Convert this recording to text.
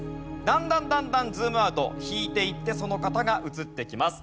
だんだんだんだんズームアウト引いていってその方が映ってきます。